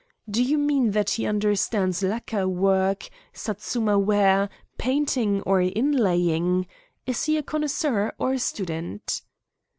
"Do you mean that he understands lacquer work, Satsuma ware, painting or inlaying? Is he a connoisseur or a student?"